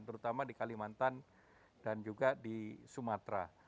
terutama di kalimantan dan juga di sumatera